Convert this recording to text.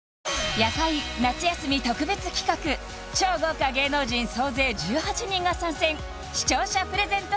「夜会」夏休み特別企画超豪華芸能人総勢１８人が参戦視聴者プレゼント